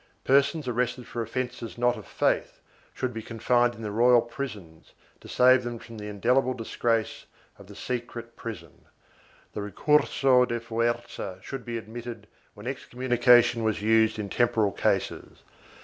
Persons arrested for offences not of faith should be confined in the royal prisons to save them from the indelible disgrace of the secret prison. The recur so de fuerza should be admitted when excom munication was used in temporal cases.